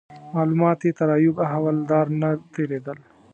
معلومات یې تر ایوب احوالدار نه تیرېدل.